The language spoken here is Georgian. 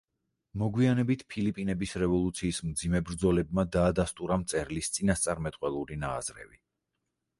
მოგვიანებით ფილიპინების რევოლუციის მძიმე ბრძოლებმა დაადასტურა მწერლის წინასწარმეტყველური ნააზრევი.